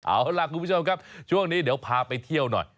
เอาล่ะคุณผู้ชมครับช่วงนี้เดี๋ยวพาไปเที่ยวหน่อย